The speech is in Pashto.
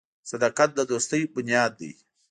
• صداقت د دوستۍ بنیاد دی.